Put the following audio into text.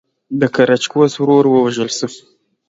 د ګراکچوس ورور ووژل شو.